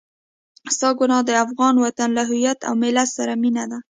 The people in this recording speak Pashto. ستا ګناه د افغان وطن له هويت او ملت سره مينه ده.